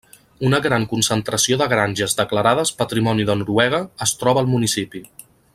Una gran concentració de granges declarades patrimoni de Noruega es troba al municipi.